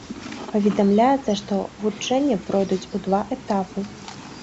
Паведамляецца, што вучэнні пройдуць у два этапы.